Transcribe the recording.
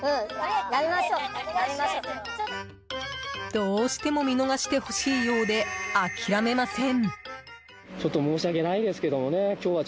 どうしても見逃してほしいようで諦めません。